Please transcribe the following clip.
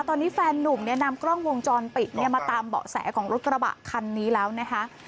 ตอนนี้แฟนนุ่มเนี่ยนำกล้องวงจรปิดเนี่ยมาตามเบาะแสของรถกระบะคันนี้แล้วนะคะ